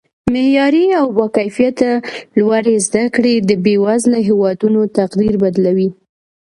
معیاري او با کیفته لوړې زده کړې د بیوزله هیوادونو تقدیر بدلوي